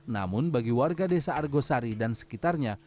namun bagi warga desa argosari dan sekitarnya